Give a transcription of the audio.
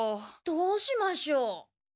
どうしましょう？